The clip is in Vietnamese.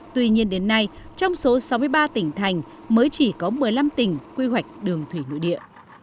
tuy nhiên đến nay trong số sáu mươi ba tỉnh thành mới chỉ có một mươi năm tỉnh quy hoạch đường thủy nội địa